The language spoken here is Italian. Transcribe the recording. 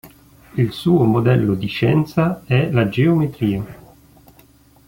Il suo modello di scienza è la geometria.